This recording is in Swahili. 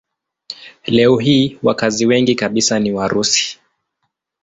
Leo hii wakazi wengi kabisa ni Warusi.